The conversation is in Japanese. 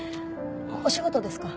お仕事ですか？